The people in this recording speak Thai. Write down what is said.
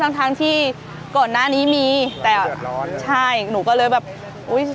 ทั้งทางที่กฎหน้านี้มีแต่ใช่หนูก็เลยแบบอุ้ย